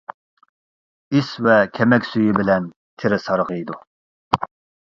ئىس ۋە كەمەك سۈيى بىلەن تېرە سارغىيىدۇ.